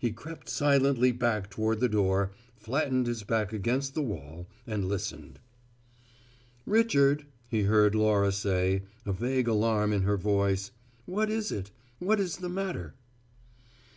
He crept silently back toward the door, flattened his back against the wall, and listened. "Richard," he heard Laura say, a vague alarm in her voice, "what is it? What is the matter?"